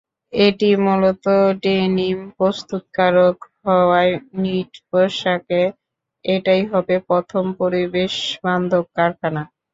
এটি মূলত ডেনিম প্রস্তুতকারক হওয়ায় নিট পোশাকে এটাই হবে প্রথম পরিবেশবান্ধব কারখানা।